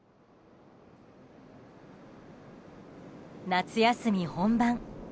夏休み本番。